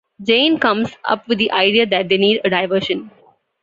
Jayne comes up with the idea that they need a diversion.